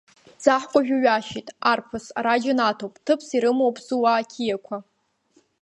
Ӡаҳкәажә уҩашьеит, арԥыс, ара џьанаҭуп, ҭыԥс ирымоуп суаа қьиақәа.